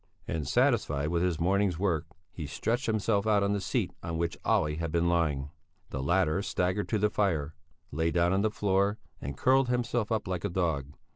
And satisfied with his morning's work, he stretched himself out on the seat on which Olle had been lying. The latter staggered to the fire, lay down on the floor and curled himself up like a dog.